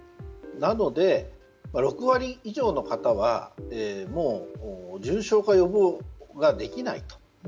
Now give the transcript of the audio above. なので、６割以上の方は重症化予防ができないと。